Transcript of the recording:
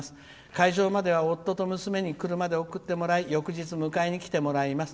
会場までは夫と娘に車で送ってもらい翌日迎えに来てもらいます。